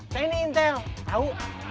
saya ini intel tau